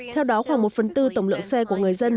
theo đó khoảng một phần tư tổng lượng xe của người dân